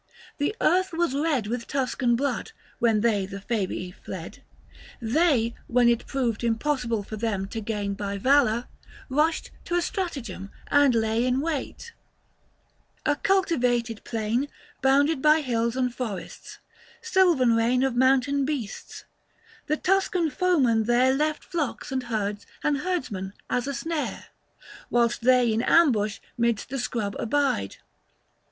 The earth was red With Tuscan blood, when they the Fabii fled. They, when it proved impossible for them To gain by valour, rushed to stratagem And lay in wait : a cultivated plain 220 Bounded by hills and forests ; sylvan reign Of mountain beasts ; the Tuscan foemen there Left flocks and herds and herdsmen as a snare, Whilst they in ambush 'midst the scrub abide.